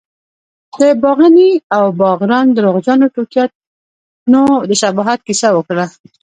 د باغني او باغران درواغجنو ټوکیانو د شباهت کیسه وکړه.